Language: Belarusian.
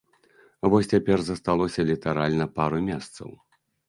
Вось цяпер засталося літаральна пару месцаў.